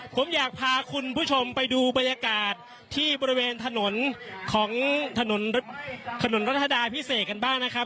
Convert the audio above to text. ผมอยากพาคุณผู้ชมไปดูบรรยากาศที่บริเวณถนนของถนนถนนรัชดาพิเศษกันบ้างนะครับ